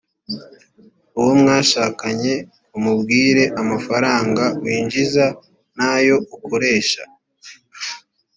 uwo mwashakanye umubwire amafaranga winjiza n’ayo ukoresha